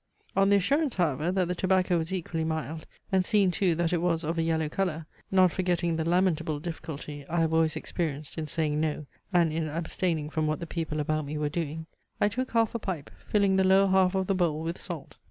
On the assurance, however, that the tobacco was equally mild, and seeing too that it was of a yellow colour; not forgetting the lamentable difficulty, I have always experienced, in saying, "No," and in abstaining from what the people about me were doing, I took half a pipe, filling the lower half of the bowl with salt.